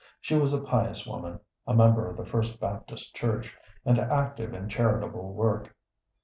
She was a pious woman, a member of the First Baptist Church, and active in charitable work.